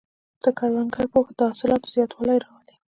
د کروندګر پوهه د حاصلاتو زیاتوالی راولي.